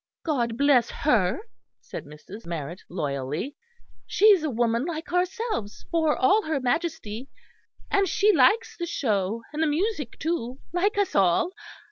"God bless her," said Mrs. Marrett loyally, "she's a woman like ourselves for all her majesty. And she likes the show and the music too, like us all.